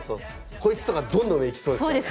こいつとかどんどん上行きそうですからね。